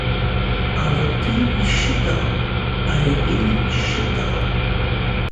А вот ты не считал, а Рябинин считал.